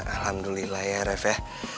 alhamdulillah ya reva